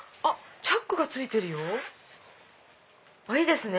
チャックがついてるよいいですね！